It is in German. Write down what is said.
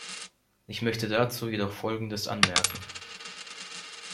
Ich möchte dazu jedoch Folgendes anmerken.